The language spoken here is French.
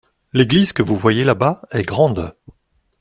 L’église que vous voyez là-bas est grande.